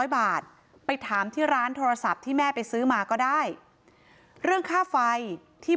๐บาทไปถามที่ร้านโทรศัพท์ที่แม่ไปซื้อมาก็ได้เรื่องค่าไฟที่